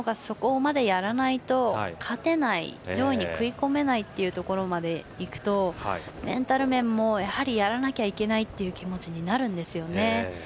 そこまでやらないと勝てない、上位に食い込めないというところまで行くとメンタル面も、やはりやらなきゃいけないという気持ちになるんですよね。